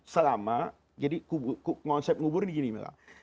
selama jadi konsep ngubur ini gini mila